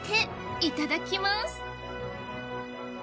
いただきます。